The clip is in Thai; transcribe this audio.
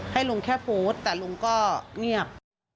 ให้ลุงแค่โพสต์แต่ลุงก็เงียบ